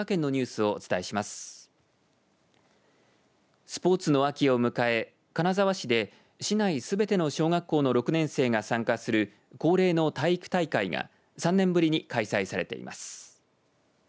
スポーツの秋を迎え金沢市で市内すべての小学校の６年生が参加する恒例の体育大会が３年ぶりに開催されています。